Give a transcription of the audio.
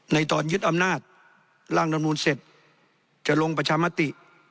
ตอนยึดอำนาจร่างรัฐมนูลเสร็จจะลงประชามติ